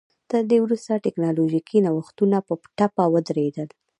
تر دې وروسته ټکنالوژیکي نوښتونه په ټپه ودرېدل